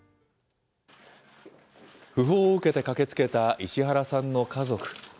訃報を受けて駆けつけた石原さんの家族。